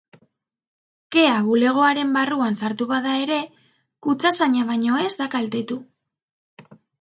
Kea bulegoaren barruan sartu bada ere, kutxazaina baino ez da kaltetu.